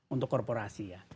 untuk korporasi ya